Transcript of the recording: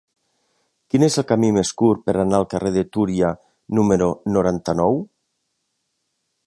Quin és el camí més curt per anar al carrer del Túria número noranta-nou?